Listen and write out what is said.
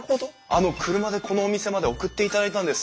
あの車でこのお店まで送っていただいたんです。